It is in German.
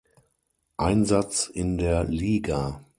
Einsatz in der Liga.